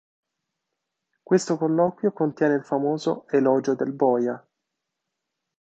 Questo colloquio contiene il famoso "elogio del boia".